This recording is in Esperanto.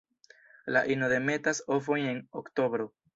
La ino demetas ovojn en oktobro.